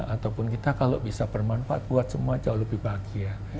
ataupun kita kalau bisa bermanfaat buat semua jauh lebih bahagia